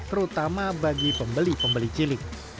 terutama bagi pembeli pembeli cilik